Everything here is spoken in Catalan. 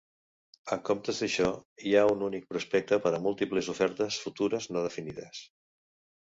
En comptes d'això, hi ha un únic prospecte per a múltiples ofertes futures no definides.